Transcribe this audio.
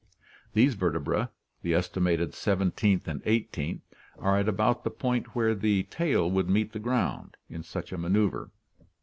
These vertebrae, the estimated seventeenth and eighteenth, are at about the point where the tail would meet the ground in such a manoeuver.